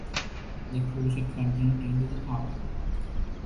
The cruiser continued into the harbor.